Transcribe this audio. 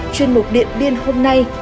chuyên mục điện biên hôm nay